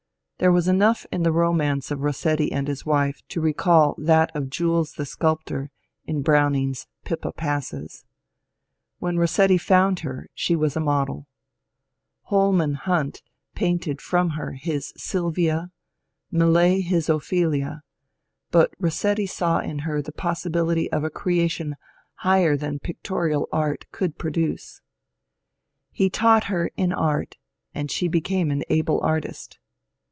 There was enough in the romance of Rossetti and his wife to recall that of Jules the Sculptor in Browning's '^Pippa Passes." When Rossetti found her she was a model. Holman Hunt painted from her his Sylvia, Millais his Ophelia ; but Rossetti saw in her the possibility of a creation higher than pictorial art could produce. He taught her in art and she be came an able artist.